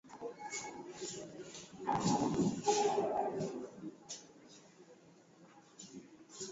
Tanzania ni moja kati ya nchi zinazosifika duniani kwa kulinda maadili yake